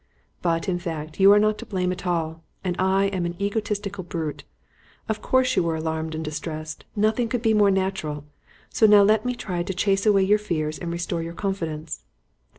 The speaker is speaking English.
But, in fact, you are not to blame at all, and I am an egotistical brute. Of course you were alarmed and distressed; nothing could be more natural. So now let me try to chase away your fears and restore your confidence.